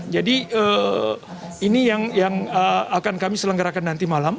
jadi ini yang akan kami selenggarakan nanti malam